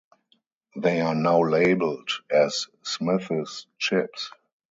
They are now labelled as Smith's Chips.